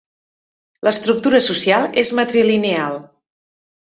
L'estructura social és matrilineal.